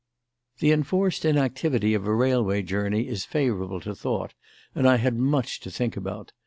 The enforced inactivity of a railway journey is favourable to thought, and I had much to think about.